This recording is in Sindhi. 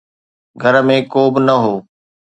گهر ۾ ڪو به نه هو.